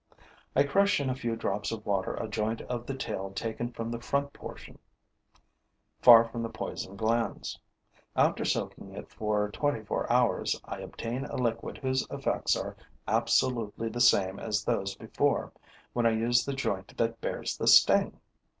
I crush in a few drops of water a joint of the tail taken from the front portion, far from the poison glands. After soaking it for twenty four hours, I obtain a liquid whose effects are absolutely the same as those before, when I used the joint that bears the sting.